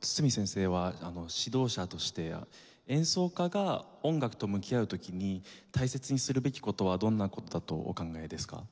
堤先生は指導者として演奏家が音楽と向き合う時に大切にするべき事はどんな事だとお考えですか？